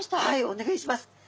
はいお願いします。